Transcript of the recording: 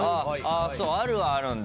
あるはあるんだ。